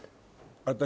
私。